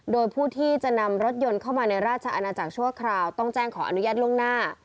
โดยผู้ที่จะนำรถยนต์เข้ามาในราชอาณาจักรชั่วคราวต้องแจ้งขออนุญาตล่วงหน้า